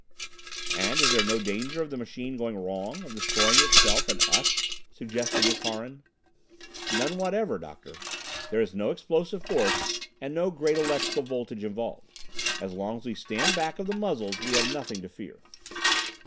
"And is there no danger of the machine going wrong of destroying itself and us?" suggested Nukharin. "None whatever, Doctor. There is no explosive force and no great electrical voltage involved. As long as we stand back of the muzzles we have nothing to fear.